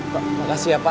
pak terima kasih ya pak